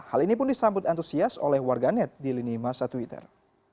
hal ini pun disambut antusias oleh warganet di lini masa twitter